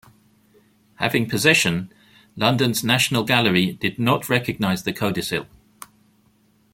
Having possession, London's National Gallery did not recognise the codicil.